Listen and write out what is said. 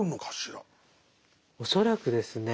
恐らくですね